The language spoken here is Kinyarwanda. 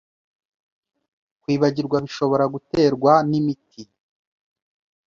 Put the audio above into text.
Kwibagirwa bishobora guterwa n’imiti